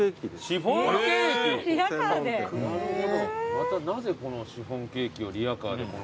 またなぜシフォンケーキをリヤカーで。